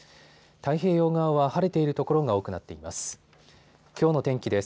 太平洋側は晴れている所が多くなっています。